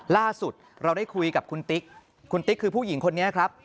ล่าสุดเราได้คุยกับคุณติ๊กคุณติ๊กคือผู้หญิงคนนี้ครับ